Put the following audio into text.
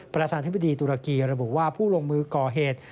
ประธานธิบดีตุรกีระบุว่าผู้ลงมือก่อเหตุ